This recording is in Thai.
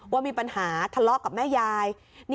ว่ามีปัญหาทะเลาะกับแม่ยาย